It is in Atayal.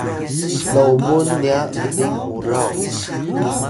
lomun nya bling uraw